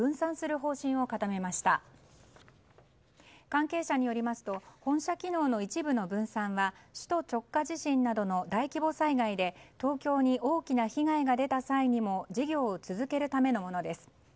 関係者によりますと本社機能の一部の分散は首都直下地震などの大規模災害で東京に大きな被害が出た際にも事業を続けるためのものです。